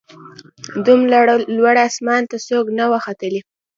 دومره لوړ اسمان ته څوک نه وه ختلي